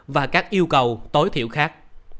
và các yêu cầu tối thiểu khác